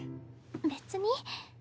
別に。